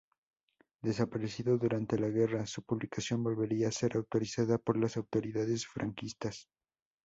Desaparecido durante la guerra, su publicación volvería a ser autorizada por las autoridades franquistas.